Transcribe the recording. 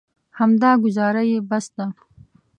همدا ګوزاره یې بس ده.